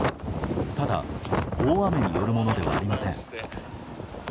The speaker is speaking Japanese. ただ、大雨によるものではありません。